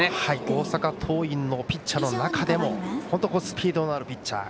大阪桐蔭のピッチャーの中でも本当スピードのあるピッチャー。